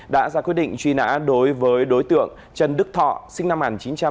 đã ra quyết định truy nã đối với đối tượng trần đức thọ sinh năm một nghìn chín trăm tám mươi